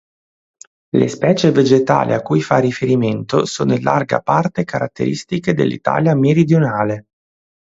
Le specie vegetali a cui fa riferimento sono in larga parte caratteristiche dell'Italia meridionale.